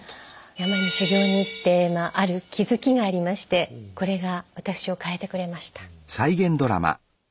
山に修行に行ってある気づきがありましてこれが私を変えてくれました。